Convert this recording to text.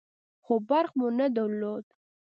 خو برق مو نه درلود.